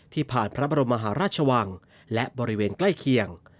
ผ่านพระบรมมหาราชวังและบริเวณใกล้เคียง